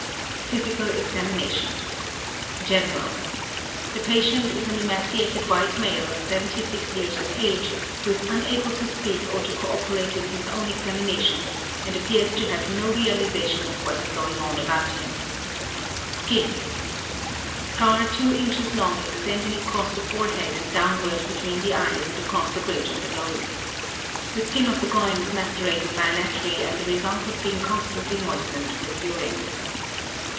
PHYSICAL EXAMINATION: GENERAL: The patient is an emaciated white male of 76 years of age who is unable to speak or to cooperate in his own examination, and appears to have no realization of what is going on about him. SKIN: Scar 2 inches long extending across the forehead and downward between the eyes and across the bridge of the nose. The skin of the groin is macerated bilaterally as a result of being constantly moistened with urine.